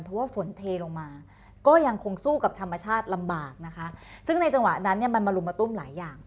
เพราะว่าฝนเทลงมา